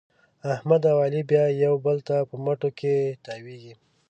احمد او علي بیا یو بل ته په مټو کې تاوېږي.